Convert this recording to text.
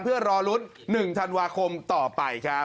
เพื่อรอลุ้น๑ธันวาคมต่อไปครับ